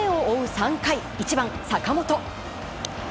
３回１番、坂本。